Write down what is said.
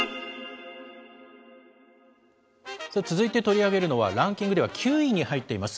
続いて取り上げるのはランキングでは９位に入っています。